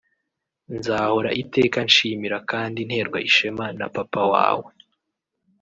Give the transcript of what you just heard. Nzahora iteka nshimira kandi nterwa ishema na Papa wawe